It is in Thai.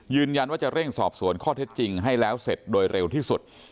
ยืนยันว่าจะเร่งสอบสวนข้อเท็จจริงให้แล้วเสร็จโดยเร็วที่สุด